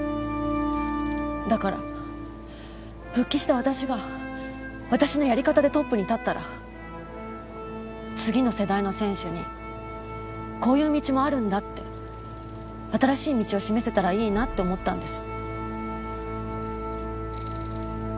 だから、復帰した私が、私のやり方でトップに立ったら、次の世代の選手に、こういう道もあるんだって、新しい道を示せたらいいなって思ったんです。